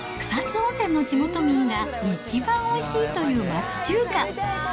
草津温泉の地元民が一番おいしいという町中華。